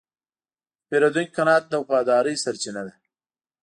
د پیرودونکي قناعت د وفادارۍ سرچینه ده.